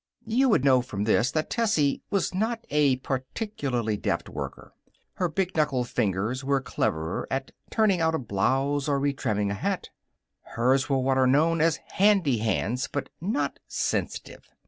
You would know from this that Tessie was not a particularly deft worker. Her big knuckled fingers were cleverer at turning out a blouse or retrimming a hat. Hers were what are known as handy hands, but not sensitive.